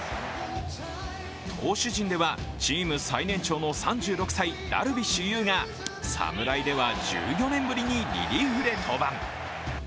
投手陣では、チーム最年長の３６歳、ダルビッシュ有が侍では１４年ぶりにリリーフで登板。